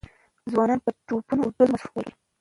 ځوانان په توپونو او ډزو مصروف ول.